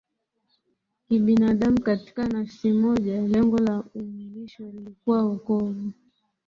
kibinadamu katika nafsi moja Lengo la umwilisho lilikuwa wokovu